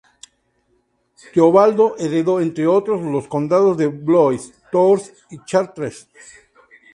Teobaldo heredó, entre otros, los condados de Blois, Tours, Chartres.